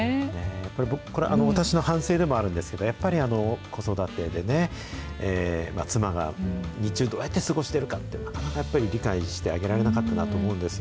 やっぱり私の反省でもあるんですけど、やっぱり子育てでね、妻が日中、どうやって過ごしているかってなかなかやっぱり理解してあげられなかったなと思うんですよ。